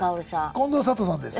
近藤サトさんです。